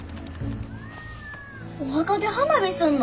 お墓で花火すんの？